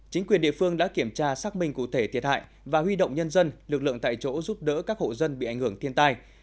chính quyền địa phương đã kiểm tra xác minh cụ thể thiệt hại và huy động nhân dân lực lượng tại chỗ giúp đỡ các hộ dân bị ảnh hưởng thiên tai